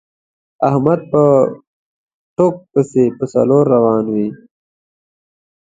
احمد په ټوک پسې په څلور روان وي.